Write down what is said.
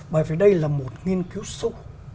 bởi vì đây là một nghiên cứu sâu